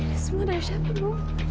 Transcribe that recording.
ini semua dari siapa ibu